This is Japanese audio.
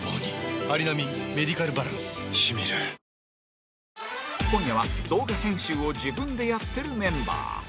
あなたも今夜は動画編集を自分でやってるメンバー